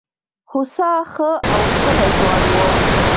هوسا ښه او ښکلی ځوان وو.